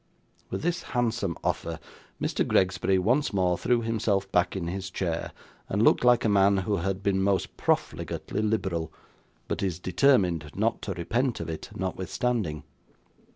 With this handsome offer, Mr. Gregsbury once more threw himself back in his chair, and looked like a man who had been most profligately liberal, but is determined not to repent of it notwithstanding.